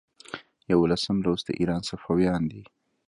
یوولسم لوست د ایران صفویان دي.